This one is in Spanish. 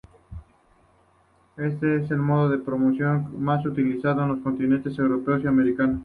Este es el modo de promoción más utilizado en los continentes europeo y americano.